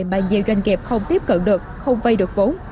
mà nhiều doanh nghiệp không tiếp cận được không vây được vốn